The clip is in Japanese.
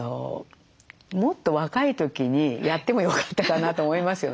もっと若い時にやってもよかったかなと思いますよね。